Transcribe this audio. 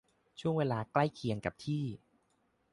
ช่วงเวลาใกล้เคียงกับที่